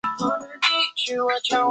爱称是。